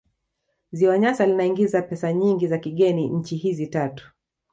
Ziwa Nyasa linzaiingizia pesa nyingi za kigeni nchi hizi tatu